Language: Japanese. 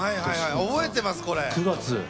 覚えてますこれ。